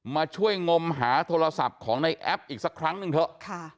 มาช่วยงมหาโทรศัพท์ของในแอปอีกสักครั้งหนึ่งเถอะ